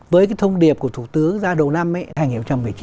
với cái thông điệp của thủ tướng ra đầu năm hành hiệu trong một mươi chín